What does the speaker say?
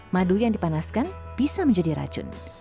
madu yang dipanaskan bisa menjadi racun